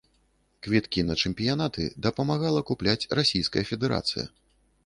Квіткі на чэмпіянаты дапамагала купляць расійская федэрацыя.